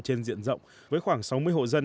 trên diện rộng với khoảng sáu mươi hộ dân